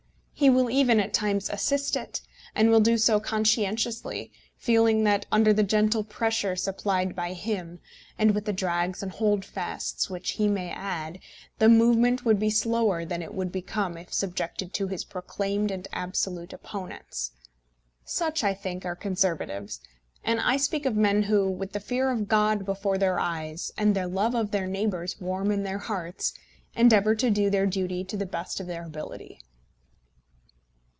He will even, at times, assist it; and will do so conscientiously, feeling that, under the gentle pressure supplied by him, and with the drags and holdfasts which he may add, the movement would be slower than it would become if subjected to his proclaimed and absolute opponents. Such, I think, are Conservatives; and I speak of men who, with the fear of God before their eyes and the love of their neighbours warm in their hearts, endeavour to do their duty to the best of their ability.